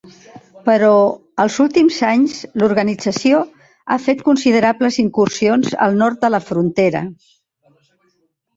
Però els últims anys l'organització ha fet considerables incursions al nord de la frontera.